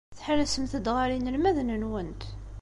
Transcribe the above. Tḥellsemt-d ɣer yinelmaden-nwent.